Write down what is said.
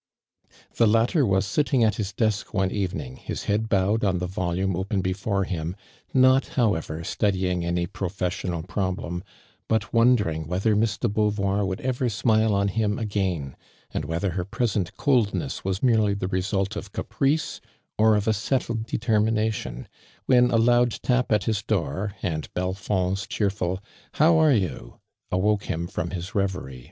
The latter was sifting at his desk one eve ning, his head bowed on the volume open before him, not, however, studying any pro fessional problem, but wondering whether Miss de Beauvoir would ever smile on him again, and whether her present coldness Was merely the result of caprice, or of a settled determination, when a loud tap at his door, and Belfond's cheerful "How are you?" awoke him from his re very.